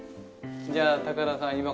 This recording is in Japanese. じゃあ高田さん